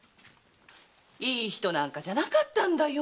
“いい人”なんかじゃなかったのよ。